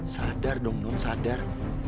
sadar dong non sadar